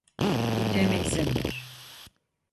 Gitmeme izin ver!